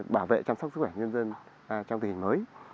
bảo vệ chăm sóc sức khỏe nhân dân trong tình hình mới